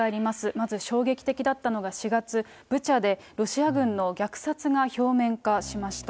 まず衝撃的だったのが４月、ブチャでロシア軍の虐殺が表面化しました。